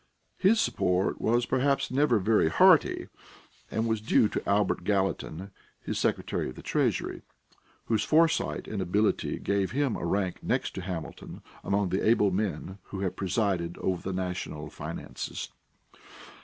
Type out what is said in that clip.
His support was perhaps never very hearty, and was due to Albert Gallatin, his Secretary of the Treasury, whose foresight and ability give him a rank next to Hamilton among the able men who have presided over the national finances.